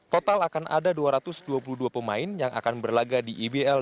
total akan ada dua ratus dua puluh dua pemain yang akan berlagak di ibl dua ribu dua puluh dua